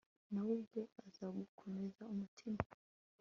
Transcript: na we ubwe azagukomeza umutima